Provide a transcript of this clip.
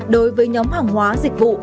đối với nhóm hàng hóa dịch vụ